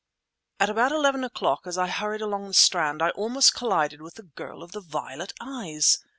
At about eleven o'clock, as I hurried along the Strand, I almost collided with the girl of the violet eyes!